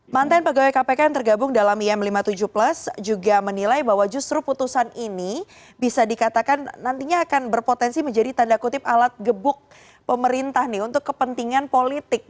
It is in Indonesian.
mantan pegawai kpk yang tergabung dalam im lima puluh tujuh plus juga menilai bahwa justru putusan ini bisa dikatakan nantinya akan berpotensi menjadi tanda kutip alat gebuk pemerintah nih untuk kepentingan politik